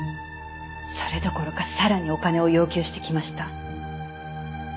それどころかさらにお金を要求してきました。